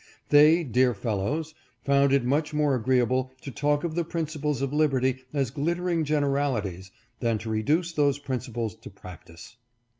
They, dear fellows, found it much more agreeable to talk of the principles of liberty as glittering generalities, than to reduce those principles to practice.